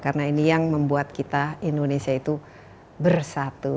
karena ini yang membuat kita indonesia itu bersatu